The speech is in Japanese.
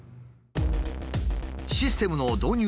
システムの導入